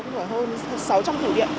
với người hơn hai mươi người